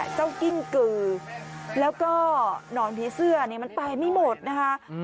เจ้ากิ้งกือแล้วก็หนอนผีเสื้อมันไปไม่หมดนะครับ